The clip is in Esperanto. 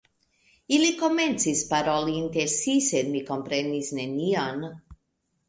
Ili komencis paroli inter si, sed mi komprenis nenion.